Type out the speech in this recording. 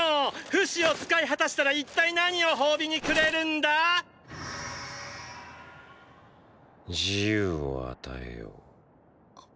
フシを使い果たしたら一体何を褒美にくれるんだ⁉“自由”を与えよう。